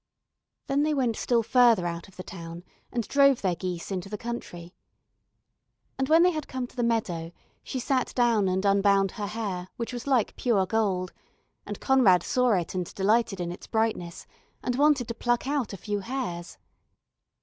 Then they went still further out of the town, and drove their geese into the country. And when they had come to the meadow, she sat down and unbound her hair which was like pure gold, and Conrad saw it and delighted in its brightness, and wanted to pluck out a few hairs.